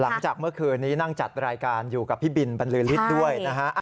หลังจากเมื่อคืนนี้นั่งจัดรายการอยู่กับพี่บินบรรลือฤทธิ์ด้วยนะฮะ